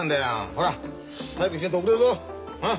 ほら早くしねえと遅れるぞ。